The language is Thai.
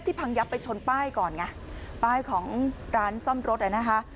พังยับไปชนป้ายก่อนไงป้ายของร้านซ่อมรถอ่ะนะคะ